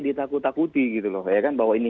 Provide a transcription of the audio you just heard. ditakut takuti gitu loh ya kan bahwa ini